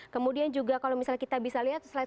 kemudian juga kalau misalnya kita bisa lihat